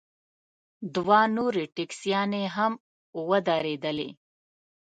دوه نورې ټیکسیانې هم ودرېدلې.